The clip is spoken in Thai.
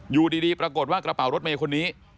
อยู่ดีปรากฏว่ากระเป๋ารถเมย์คนนี้